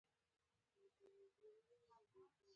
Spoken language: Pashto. ښه حکومتولي ټولنې ته سوله او ثبات راولي.